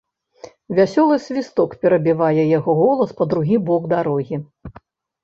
Вясёлы свісток перабівае яго голас па другі бок дарогі.